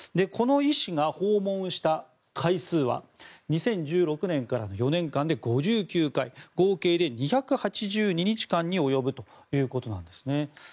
この医師が訪問した回数は２０１６年からの４年間で５９回合計で２８２日間に及ぶということです。